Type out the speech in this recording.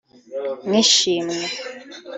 nk’ishimwe